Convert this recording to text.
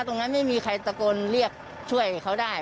ไม่มีใครตะโกนเรียกช่วยเขาได้